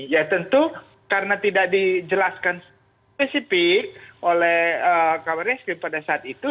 ya tentu karena tidak dijelaskan spesifik oleh kabar reskrim pada saat itu